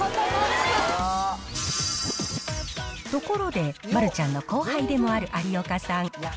ところで、丸ちゃんの後輩でもある有岡さん。